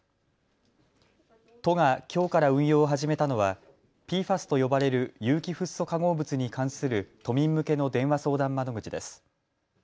都がきょうから運用を始めたのはＰＦＡＳと呼ばれる有機フッ素化合物に関する都民向けの電話相談窓口です。